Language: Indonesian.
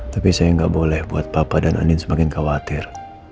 tapi saya nggak boleh buat papa dan anin semakin khawatir